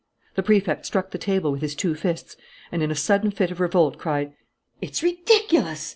The Prefect struck the table with his two fists and, in a sudden fit of revolt, cried: "It's ridiculous!